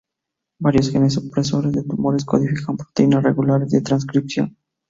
Varios genes supresores de tumores codifican proteínas reguladoras de transcripción.